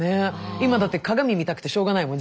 今だって鏡見たくてしょうがないもん。